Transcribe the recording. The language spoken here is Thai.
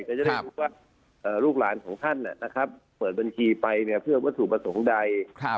ก็จะได้รู้ว่าลูกหลานของท่านเปิดบัญชีไปเพื่อวัตถุประสงค์ใด